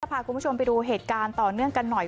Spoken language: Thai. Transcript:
พาคุณผู้ชมไปดูเหตุการณ์ต่อเนื่องกันหน่อย